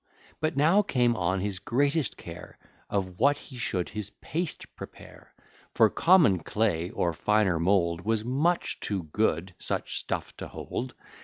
But now came on his greatest care, Of what he should his paste prepare; For common clay or finer mould Was much too good, such stuff to hold.